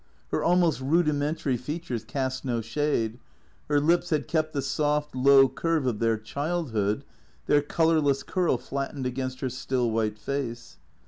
Her almost rudi mentary features cast no shade; her lips had kept the soft, low curve of their childhood, their colourless curl flattened against her still, white face.